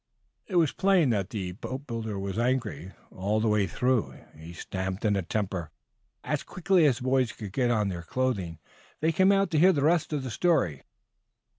It was plain that the boatbuilder was angry all the way through. He stamped in a temper. As quickly as the boys could get on their clothing they came out to hear the rest of the story.